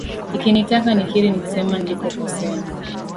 Ikinitaka nikiri nikisema nilipokosea